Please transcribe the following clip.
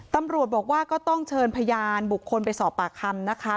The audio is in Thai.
ตำรวจบอกว่าก็ต้องเชิญพยานบุคคลไปสอบปากคำนะคะ